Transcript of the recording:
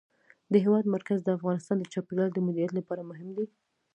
د هېواد مرکز د افغانستان د چاپیریال د مدیریت لپاره مهم دي.